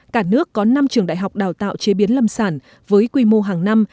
cả nước có năm trường đại học đào tạo chế biến lâm sản với quy mô hàng năm